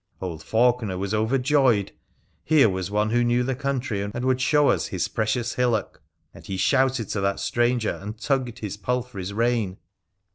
Old Faulkener was overjoyed. Here was one who knew the country, and would show us his precious hillock ; and he shouted to that stranger, and tugged his palfrey's rein.